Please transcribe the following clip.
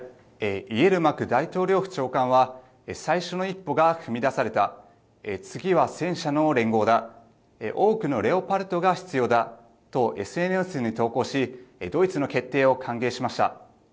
イエルマク大統領府長官は最初の一歩が踏み出された次は戦車の連合だ多くのレオパルトが必要だとＳＮＳに投稿しドイツの決定を歓迎しました。